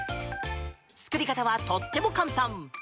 作り方はとっても簡単。